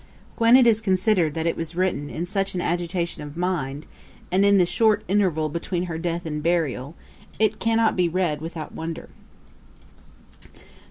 When it is considered that it was written in such an agitation of mind, and in the short interval between her death and burial, it cannot be read without wonder.